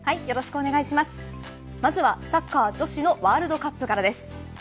まずはサッカー女子のワールドカップからです。